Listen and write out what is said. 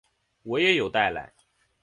我也有带来